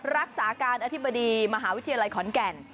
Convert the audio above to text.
รักษาการอธิบดีมหาวิทยาลัยขอนแก่น